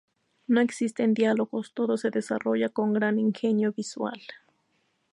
No existen diálogos, todo se desarrolla con gran ingenio visual.